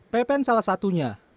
pepen salah satunya